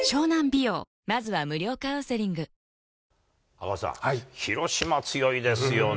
赤星さん、広島、強いですよね。